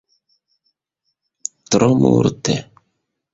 Tro multe!